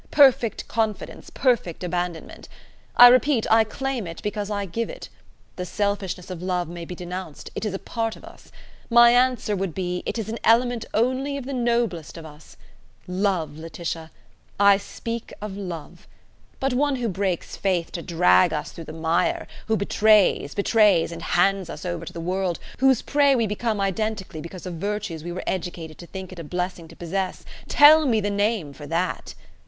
Perfect confidence, perfect abandonment. I repeat, I claim it because I give it. The selfishness of love may be denounced: it is a part of us. My answer would be, it is an element only of the noblest of us! Love, Laetitia! I speak of love. But one who breaks faith to drag us through the mire, who betrays, betrays and hands us over to the world, whose prey we become identically because of virtues we were educated to think it a blessing to possess: tell me the name for that!